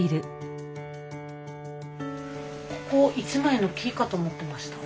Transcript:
ここ一枚の木かと思ってました。